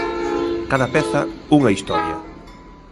Cada peza, unha historia.